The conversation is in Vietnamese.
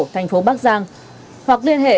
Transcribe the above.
thành phố bắc giang hoặc liên hệ